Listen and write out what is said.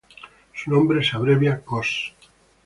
Su nombre se abrevia cos.